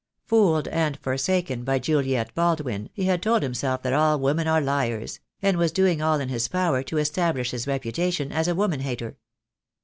Fooled and forsaken by Juliet Baldwin he had told himself that all women are liars, and was doing all in his power to establish his reputation as a woman hater.